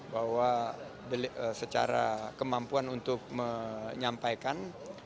bahwa secara kemampuan untuk menyampaikan